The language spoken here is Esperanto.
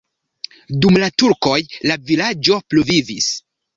Dum la turkoj la vilaĝo pluvivis.